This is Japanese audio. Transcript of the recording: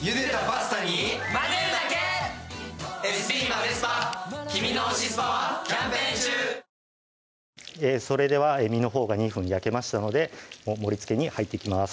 弱火で２分はいそれでは身のほうが２分焼けましたので盛りつけに入っていきます